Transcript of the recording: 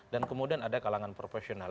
dan kemudian ada kalangan profesional